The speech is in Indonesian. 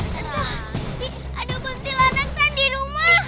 tuh ada kuntilanak kan di rumah